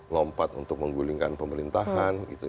lompat untuk menggulingkan pemerintahan gitu